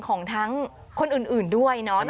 ของทั้งคนอื่นด้วยเนาะ